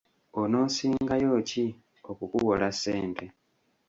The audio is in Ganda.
Onoosingayo ki okukuwola ssente?